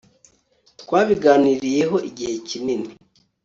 twabiganiriyehoigihe kinini